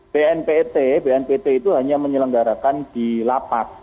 bnpt bnpt itu hanya menyelenggarakan di lapas